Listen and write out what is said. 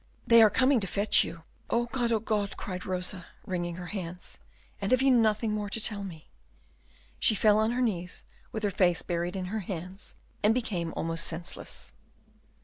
"They are coming to fetch you. Oh God! Oh God!" cried Rosa, wringing her hands. "And have you nothing more to tell me?" She fell on her knees with her face buried in her hands and became almost senseless.